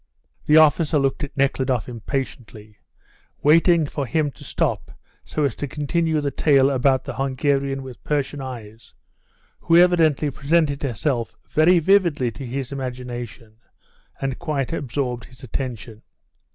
The officer looked at Nekhludoff impatiently, waiting for him to stop so as to continue the tale about the Hungarian with Persian eyes, who evidently presented herself very vividly to his imagination and quite absorbed his attention.